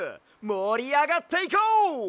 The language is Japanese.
もりあがっていこう！